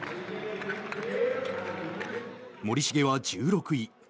森重は１６位。